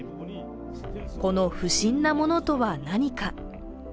この不審なものとは何か。